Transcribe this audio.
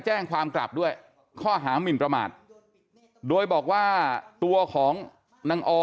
แจ้งความกลับด้วยข้อหามินประมาทโดยบอกว่าตัวของนางอ